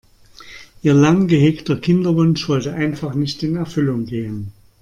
Ihr lang gehegter Kinderwunsch wollte einfach nicht in Erfüllung gehen.